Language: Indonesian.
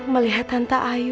melihat tante ayu